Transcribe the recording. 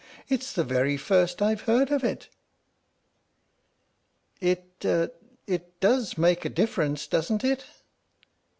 " It 's the very first I've heard of it !"" It it does make a difference, doesn't it?"